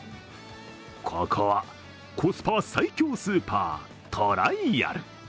ここはコスパ最強スーパートライアル。